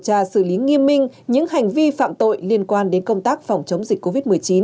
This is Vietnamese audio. tra xử lý nghiêm minh những hành vi phạm tội liên quan đến công tác phòng chống dịch covid một mươi chín